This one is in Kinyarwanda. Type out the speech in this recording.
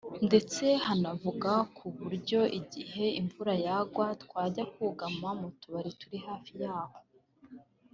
ndetse hanavaga ku buryo igihe imvura yagwaga twajyaga kugama mu tubari turi hafi yaho